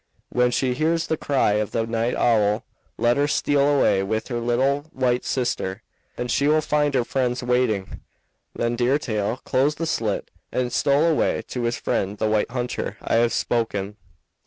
When she hears the cry of a night owl let her steal away with her little white sister and she will find her friends waiting.' Then Deer Tail closed the slit and stole away to his friend the white hunter. I have spoken."